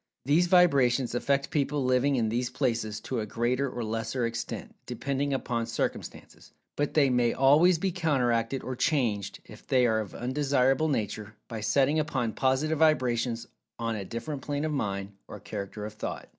These vibrations affect people living in these places, to a greater or lesser extent, depending upon circumstances,[Pg 225] but they may always be counteracted or changed (if they are of undesirable nature) by setting upon positive vibrations on a different plane of mind, or character of thought.